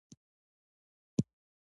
ډېر کلونه مي په زړه کي دی ساتلی